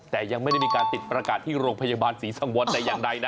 แต่ยังไม่ได้มีการติดประกาศที่โรงพยาบาลศรีสังวรแต่อย่างใดนะ